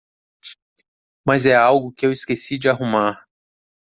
Mas é algo que eu esqueci de arrumar.